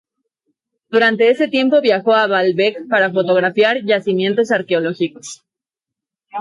Durante ese tiempo viajó a Baalbek para fotografiar yacimientos arqueológicos.